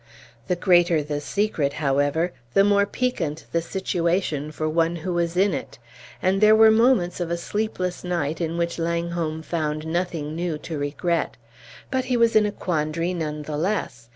The greater the secret, however, the more piquant the situation for one who was in it; and there were moments of a sleepless night in which Langholm found nothing new to regret. But he was in a quandary none the less.